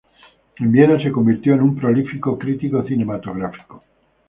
En Viena, se convirtió en un prolífico crítico cinematográfico.